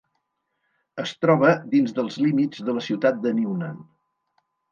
Es troba dins dels límits de la ciutat de Newnan.